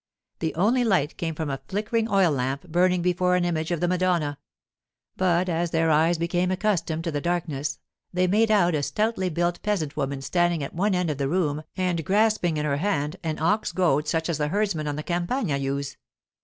The only light came from a flickering oil lamp burning before an image of the Madonna. But as their eyes became accustomed to the darkness they made out a stoutly built peasant woman standing at one end of the room and grasping in her hand an ox goad such as the herdsmen on the Campagna use.